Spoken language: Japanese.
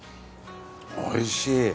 おいしい。